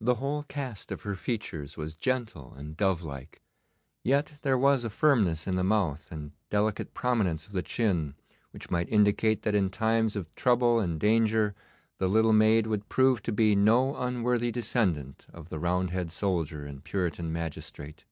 The whole cast of her features was gentle and dove like, yet there was a firmness in the mouth and delicate prominence of the chin which might indicate that in times of trouble and danger the little maid would prove to be no unworthy descendant of the Roundhead soldier and Puritan magistrate.